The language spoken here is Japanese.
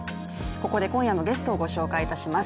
ここで今夜のゲストをご紹介します。